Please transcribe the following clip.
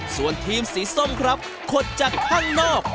ส่วนทีมสีส้มครับขดจากข้างนอก